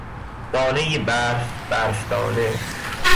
دانهی برف، برف دانه